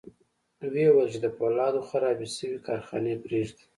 ويې ويل چې د پولادو خرابې شوې کارخانې پرېږدي.